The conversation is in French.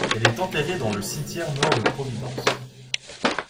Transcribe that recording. Elle est enterrée dans le cimetière Nord de Providence.